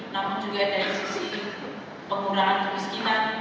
namun juga dari sisi pengurangan kemiskinan